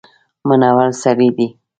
منور سړی دی.